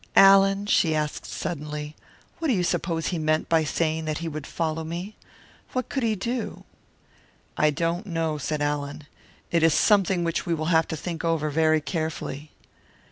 "Allan," she asked suddenly, "what do you suppose he meant by saying he would follow me? What could he do?" "I don't know," said Allan, "it is something which we shall have to think over very carefully."